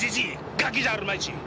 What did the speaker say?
ガキじゃあるまいし！